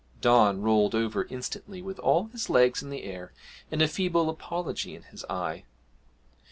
Don rolled over instantly with all his legs in the air and a feeble apology in his eye.